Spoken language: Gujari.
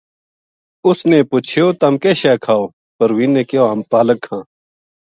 اس نے پچھیو:”تم کے شے کھاؤ؟“ پروین نے کہیو: ” ہم پالک کھاں گا۔